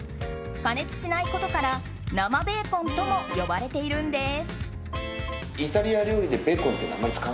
加熱しないことから生ベーコンとも呼ばれているんです。